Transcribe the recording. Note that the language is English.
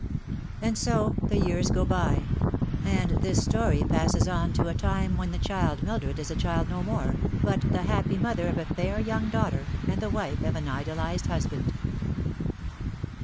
And so the years go by, and this story passes on to a time when the child Mildred is a child no more, but the happy mother of a fair young daughter, and the wife of an idolised husband.